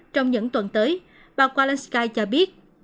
trong những tuần tới walensky cho biết